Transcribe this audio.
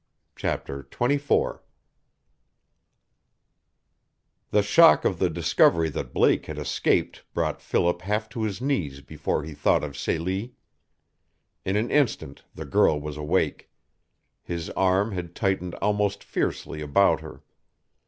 CHAPTER XXIV The shock of the discovery that Blake had escaped brought Philip half to his knees before he thought of Celie. In an instant the girl was awake. His arm had tightened almost fiercely about her.